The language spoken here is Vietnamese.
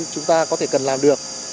chúng ta có thể cần làm được